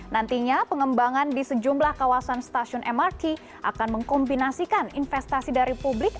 nantinya pengembangan di sejumlah kawasan stasiun mrt akan mengkombinasikan investasi dari publik